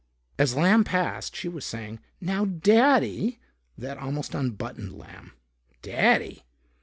As Lamb passed, she was saying, "Now, Daddy " That almost unbuttoned Lamb. Daddy!